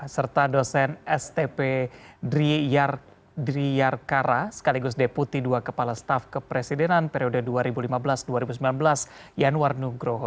serta dosen stp driyarkara sekaligus deputi dua kepala staf kepresidenan periode dua ribu lima belas dua ribu sembilan belas yanwar nugroho